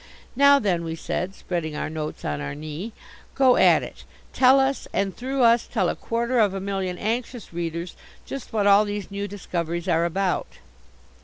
"Now, then," we said, spreading our notes on our knee, "go at it. Tell us, and, through us, tell a quarter of a million anxious readers just what all these new discoveries are about."